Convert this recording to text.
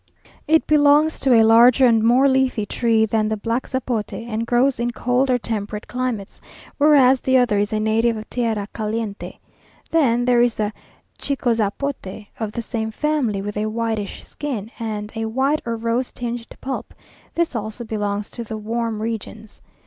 It belongs to a larger and more leafy tree than the black zapote, and grows in cold or temperate climates; whereas the other is a native of tierra caliente. Then there is the chicozapote, of the same family, with a whitish skin, and a white or rose tinged pulp; this also belongs to the warm regions.